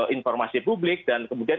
informasi publik dan kemudian